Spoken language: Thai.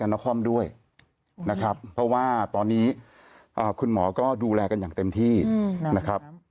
เราก็ดูแลกันอย่างเต็มที่นะครับ